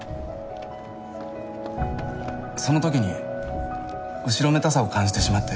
そのときに後ろめたさを感じてしまって。